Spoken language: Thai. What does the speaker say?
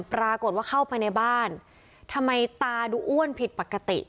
ปรากฏว่าเข้าไปในบ้านทำไมตาดูอ้วนผิดปกติ